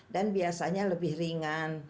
dan biasanya lebih ringan